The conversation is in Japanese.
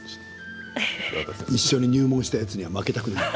一緒に入門したやつには負けたくない！